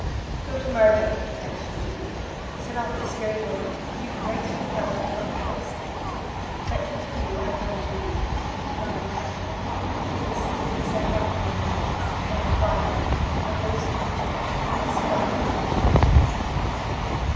"Go to Margate," cried she, eagerly, "set off this very moment! you can write to your father from Ostend. But continue, I conjure you, on the continent, till we see if this unhappy man lives, and enquire, of those who can judge, what must follow if he should not!"